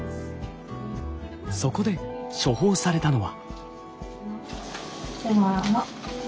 そこで処方されたのは。